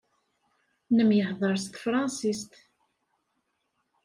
Nemyehḍaṛ s tefransist.